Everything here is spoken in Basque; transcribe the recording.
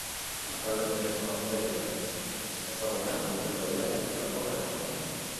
Talde eta disko jartzaile ezagunak bilduko dira aipatutako aretoan.